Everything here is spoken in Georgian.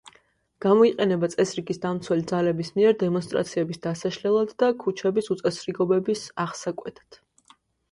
გამოიყენება წესრიგის დამცველი ძალების მიერ დემონსტრაციების დასაშლელად და ქუჩების უწესრიგობების აღსაკვეთად.